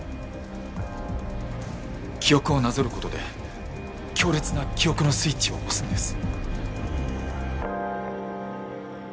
記憶をなぞる事で強烈な記憶のスイッチを押すんです。